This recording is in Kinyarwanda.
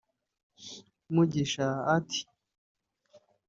Mugisha ati